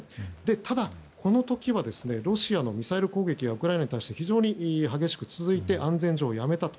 ただ、この時はロシアのミサイル攻撃がウクライナに対して非常に激しく続いていて安全上、やめたと。